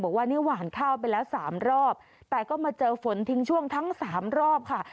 บอกว่านี่หวานข้าวไปแล้วสามรอบแต่ก็มาเจอฝนทิ้งช่วงทั้งสามรอบค่ะ